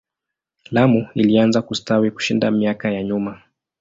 Lamu ilianza kustawi kushinda miaka ya nyuma.